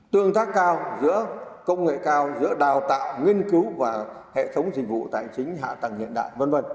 tương tác cao giữa công nghệ cao giữa đào tạo nghiên cứu và hệ thống dịch vụ tài chính hạ tầng hiện đại v v